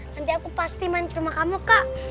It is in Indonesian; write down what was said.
nanti aku pasti main ke rumah kamu kak